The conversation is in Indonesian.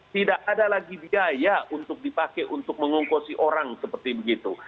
tidak ada lagi biaya untuk dipakai untuk mengungkosi orang seperti begitu